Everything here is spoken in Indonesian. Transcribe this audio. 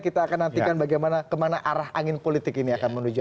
kita akan nantikan bagaimana kemana arah angin politik ini akan menuju